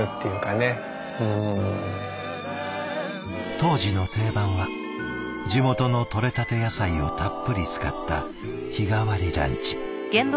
当時の定番は地元のとれたて野菜をたっぷり使った日替わりランチ。